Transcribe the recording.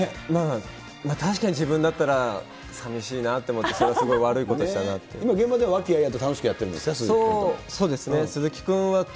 確かに自分だったら、さみしいなと思って、それはすごい悪いこと今、現場では和気あいあいとやってるんですか、鈴木君と。